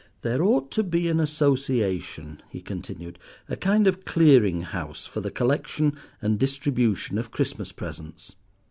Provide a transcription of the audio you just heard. "There ought to be an association," he continued, "a kind of clearing house for the collection and distribution of Christmas presents.